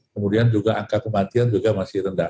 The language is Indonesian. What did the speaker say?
kemudian juga angka kematian juga masih rendah